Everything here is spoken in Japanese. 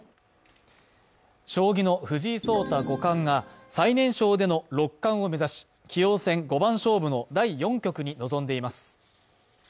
将棋の藤井聡太五冠が最年少での六冠を目指し棋王戦五番勝負の第４局に臨んでいます。